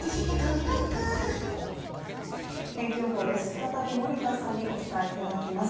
再び森田さんにお伝えいただきます。